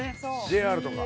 ＪＲとか。